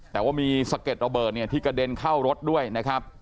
แต่ว่ามีสะเก็ดระเบิดเนี่ยที่กระเด็นเข้ารถด้วยนะครับ